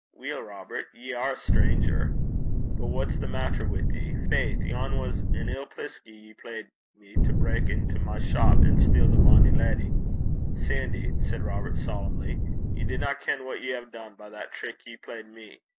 'Weel, Robert, ye are a stranger. But what's the maitter wi' ye? Faith! yon was an ill plisky ye played me to brak into my chop an' steal the bonnie leddy.' 'Sandy,' said Robert, solemnly, 'ye dinna ken what ye hae dune by that trick ye played me.